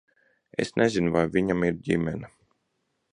Es nezinu, vai viņam ir ģimene.